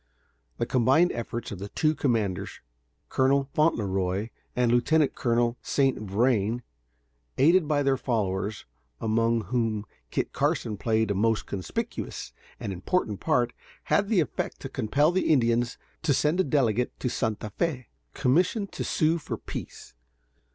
The combined efforts of the two commanders, Colonel Fauntleroy and Lieutenant Colonel St. Vrain, aided by their followers, among whom Kit Carson played a most conspicuous and important part, had the effect to compel the Indians to send a delegate to Santa Fé, commissioned to sue for peace.